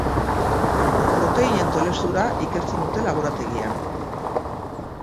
Proteinen tolesdura ikertzen dute laborategian.